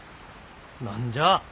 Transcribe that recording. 何じゃあ。